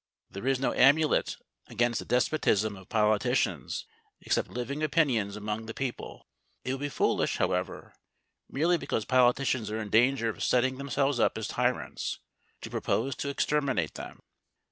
There is no amulet against the despotism of politicians except living opinions among the people. It would be foolish, however, merely because politicians are in danger of setting themselves up as tyrants, to propose to exterminate them.